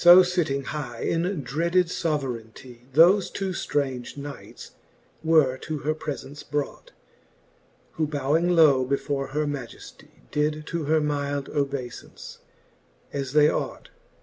So fitting high in dreaded foverayntie, ■ Thofe two ftrange knights were to her prefence brought; Who bowing low before her majeftie. Did to her myld obeyfance, as they ought.